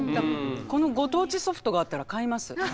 このご当地ソフトがあったら買います。